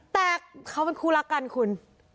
แต่เขาเป็นคู่รักกันคุณ